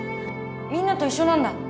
みんなと一緒なんだ。